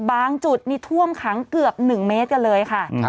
จุดนี่ท่วมขังเกือบ๑เมตรกันเลยค่ะ